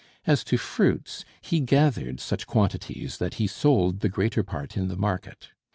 As to fruits, he gathered such quantities that he sold the greater part in the market.